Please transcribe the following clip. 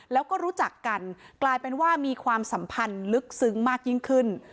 แล้วก็รู้จักกันกลายเป็นว่ามีความสัมพันธ์ลึกซึ้งมากยิ่งขึ้น